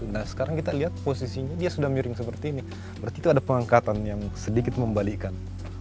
nah sekarang kita lihat posisinya dia sudah miring seperti ini berarti itu ada pengangkatan yang sedikit membalikan